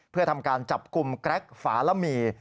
เพื่อทำการจับกลุ่มแกรกฝาละหมี่